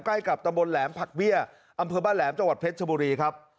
ใกล้กับตำบลแหลมผักเบี้ยอำเภอบ้านแหลมจังหวัดเพชรชบุรีครับ